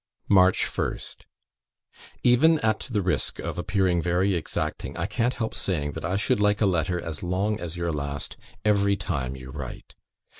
"March 1st. "Even at the risk of appearing very exacting, I can't help saying that I should like a letter as long as your last, every time you write.